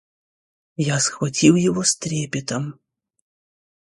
Я схватил его с трепетом.